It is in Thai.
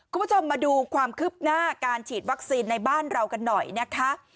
คุณผู้ชมมาดูความคืบหน้าการฉีดวัคซีนในบ้านเรากันหน่อยนะคะ